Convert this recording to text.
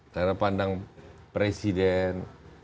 cara pandang presiden